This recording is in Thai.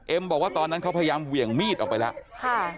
บอกว่าตอนนั้นเขาพยายามเหวี่ยงมีดออกไปแล้วค่ะ